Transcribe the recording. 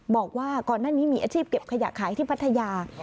บอกว่าก่อนหน้านี้มีอาชีพเก็บขยะขายที่พัทยา